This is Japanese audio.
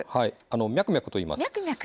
「ミャクミャク」といいます。